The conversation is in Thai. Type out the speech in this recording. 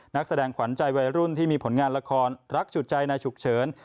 นักแสดงขวัญใจวัยรุ่นที่มีผลงานละครรักจุดใจในฉุกเฉิน